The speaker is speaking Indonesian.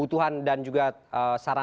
terima kasih pak